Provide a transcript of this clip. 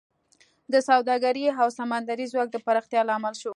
د سوداګرۍ او سمندري ځواک د پراختیا لامل شو